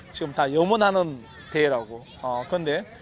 kita akan menangkan pertempuran di world cup u dua puluh